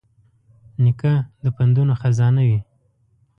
نیکه د پندونو خزانه وي.